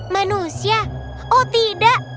manusia oh tidak